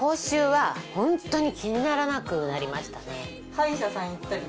歯医者さん行ったり？